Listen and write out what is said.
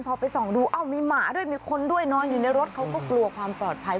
พอไปส่องดูเอ้ามีหมาด้วยมีคนด้วยนอนอยู่ในรถเขาก็กลัวความปลอดภัย